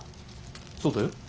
そうだよ。